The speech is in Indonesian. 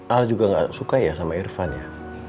al juga nggak suka ya sama irfan ya